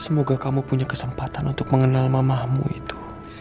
semoga kamu punya kesempatan untuk mengenal mamahmu itu